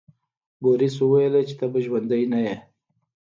بوریس وویل چې ته به ژوندی نه یې.